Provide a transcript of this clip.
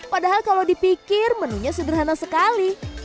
padahal kalau dipikir menunya sederhana sekali